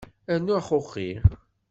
Rnu axuxi.